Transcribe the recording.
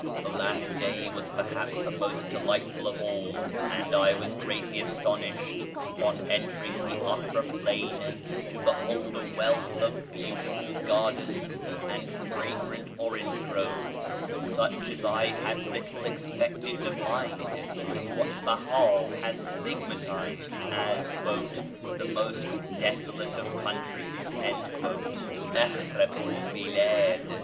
The last day was perhaps the most delightful of all, and I was greatly astonished on entering the Acre plain to behold a wealth of beautiful gardens and fragrant orange groves such as I had little expected to find in what Behá has stigmatized as "the most desolate of countries" (akhrabu'l bilád).